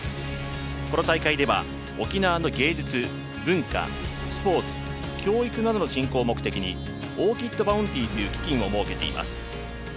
この大会では、沖縄の芸術文化、スポーツ、教育などの振興を目的にオーキッドバウンティという基金を設けています。